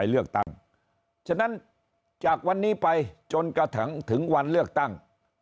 เลือกตั้งฉะนั้นจากวันนี้ไปจนกระทั่งถึงวันเลือกตั้ง